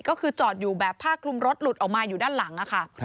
ก็คือจอดอยู่แบบผ้าคลุมรถหลุดออกมาอยู่ด้านหลังค่ะ